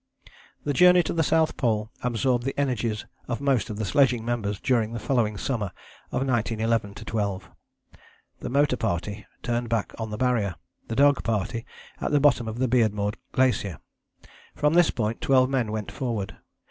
The journey to the South Pole absorbed the energies of most of the sledging members during the following summer of 1911 12. The motor party turned back on the Barrier; the dog party at the bottom of the Beardmore Glacier. From this point twelve men went forward.